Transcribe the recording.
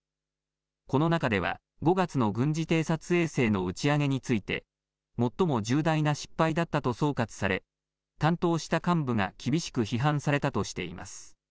この中では５月の軍事偵察衛星の打ち上げについて最も重大な失敗だったと総括され担当した幹部が厳しく批判されたとしています。